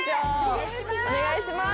お願いします。